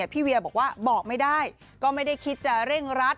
พี่เวียบอกว่าบอกไม่ได้ก็ไม่ได้คิดจะเร่งรัด